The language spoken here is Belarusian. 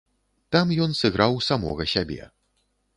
Там ён сыграў самога сябе.